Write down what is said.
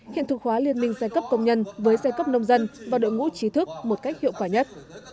hiện thực hóa liên minh giai cấp công nhân với giai cấp nông dân và đội ngũ trí thức một cách hiệu quả nhất